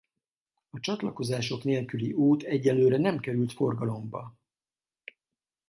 A csatlakozások nélküli út egyelőre nem került forgalomba.